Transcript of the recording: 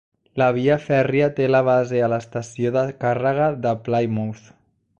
La via fèrria té la base a l'estació de càrrega de Plymouth.